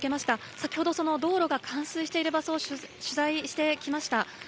先ほどその道路が冠水している場所を取材してきました。